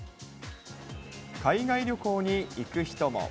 海外旅行に行く人も。